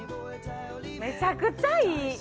めちゃくちゃいい！